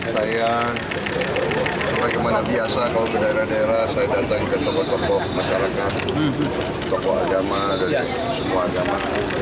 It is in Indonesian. saya bagaimana biasa kalau berdaerah daerah saya datang ke toko toko masyarakat toko agama dan semua agama